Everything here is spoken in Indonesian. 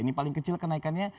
ini paling kecil kenaikannya